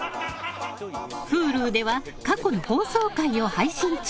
Ｈｕｌｕでは過去の放送回を配信中。